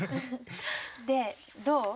でどう？